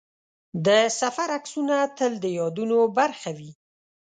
د سفر عکسونه تل د یادونو برخه وي.